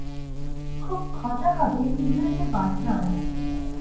খুব ঘটা হবে, ইংরিজি বাজনা আসবে।